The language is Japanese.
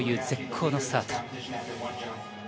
絶好のスタート。